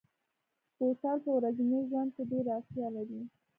بوتل په ورځني ژوند کې ډېره اړتیا لري.